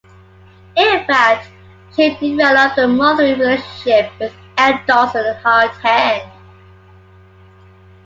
In fact, she developed a motherly relationship with Eb Dawson, the hired hand.